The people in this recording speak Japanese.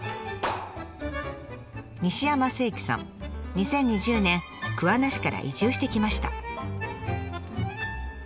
２０２０年桑名市から移住してきました。